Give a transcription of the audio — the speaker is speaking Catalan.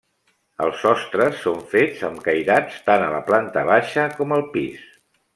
Els sostres són fets amb cairats, tant a la planta baixa com al pis.